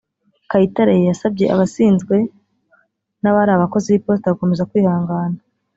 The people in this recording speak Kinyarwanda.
Kayitare yasabye abasinzwe n’abari abakozi b’Iposita gukomeza kwihangana